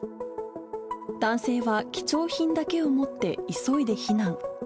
男性は貴重品だけを持って急いで避難。